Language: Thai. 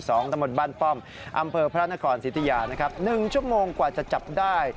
ตำบลบ้านป้อมอำเภอพระนครสิทธิยานะครับ๑ชั่วโมงกว่าจะจับได้